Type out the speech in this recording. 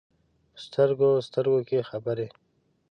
په سترګو، سترګو کې خبرې ،